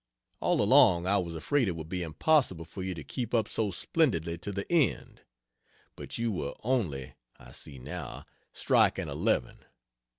All along I was afraid it would be impossible for you to keep up so splendidly to the end; but you were only, I see now, striking eleven.